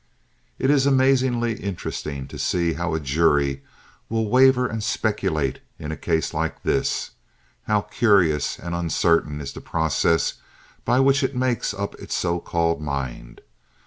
It is amazingly interesting to see how a jury will waver and speculate in a case like this—how curious and uncertain is the process by which it makes up its so called mind.